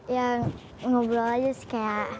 ya ngobrol aja sih kayak